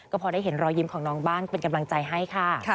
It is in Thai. ก็พอได้เห็นรอยยิ้มของน้องบ้างเป็นกำลังใจให้ค่ะ